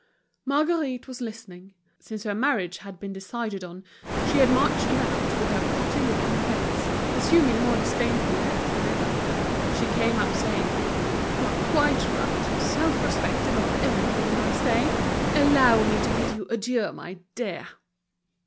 Marguerite was listening. Since her marriage had been decided on, she had marched about with her putty looking face, assuming more disdainful airs than ever. She came up saying: "Yon are quite right. Self respect above everything, I say. Allow me to bid you adieu, my dear."